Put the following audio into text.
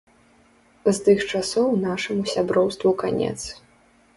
З тых часоў нашаму сяброўству канец.